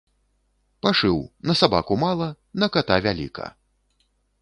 Пашыў: на сабаку ‒ мала, на ката ‒ вяліка